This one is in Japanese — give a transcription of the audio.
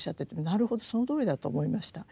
なるほどそのとおりだと思いました。